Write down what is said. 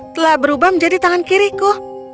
telah berubah menjadi tangan kiriku